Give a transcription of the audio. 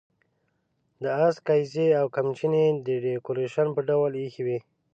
د آس قیضې او قمچینې د ډیکوریشن په ډول اېښې وې.